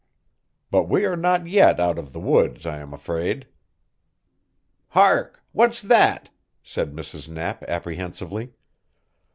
"But we are not yet out of the woods, I am afraid." "Hark! what's that?" said Mrs. Knapp apprehensively.